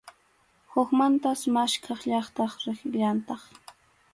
Hukmantas maskhaq llaqta rillantaq.